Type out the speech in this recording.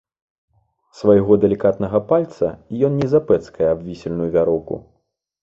Свайго далікатнага пальца ён не запэцкае аб вісельную вяроўку.